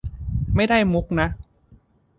ไม่ได้มุขนะ